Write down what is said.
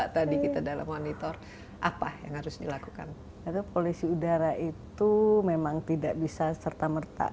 satu ratus dua puluh dua tadi kita dalam monitor apa yang harus dilakukan atau polisi udara itu memang tidak bisa serta merta